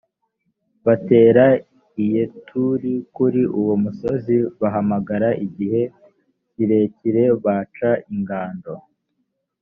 batera i yeturi kuri uwo musozi bahamara igihe kirekire baca ingando